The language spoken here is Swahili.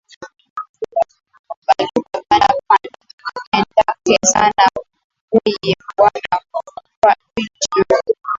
Baluba bana pendaka sana buyi bwa mpwiti